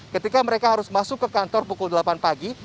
ketika mereka harus masuk ke kantor pukul delapan pagi